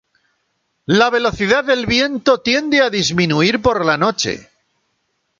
La velocidad del viento tiende a disminuir por la noche.